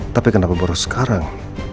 tapi kenapa baru sekarang